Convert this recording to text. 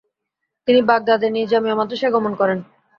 তিনি বাগদাদের নিজামিয়া মাদ্রাসায় গমন করে।